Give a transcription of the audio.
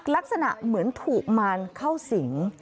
ลักษณะเหมือนถูกมารเข้าสิง